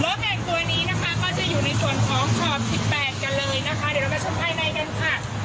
แดงตัวนี้นะคะก็จะอยู่ในส่วนของขอบสิบแปดกันเลยนะคะเดี๋ยวเรามาชมภายในกันค่ะ